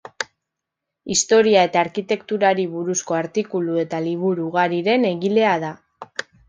Historia eta arkitekturari buruzko artikulu eta liburu ugariren egilea da.